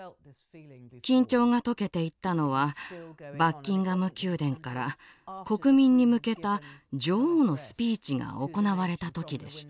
緊張が解けていったのはバッキンガム宮殿から国民に向けた女王のスピーチが行われた時でした。